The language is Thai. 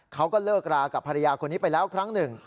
เขาก็เลิกรากับภรรยาคนนี้ไปแล้วครั้งหนึ่ง